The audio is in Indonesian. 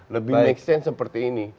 lebih make sense seperti ini